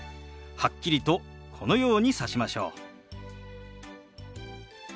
はっきりとこのようにさしましょう。